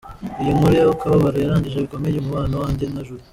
Iyi nkuru y’akababaro yangije bikomeye umubano wanjye na Julie.